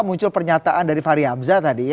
muncul pernyataan dari fahri hamzah tadi